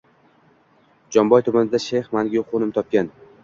Jomboy tumanida shayx mangu qo‘nim topgan.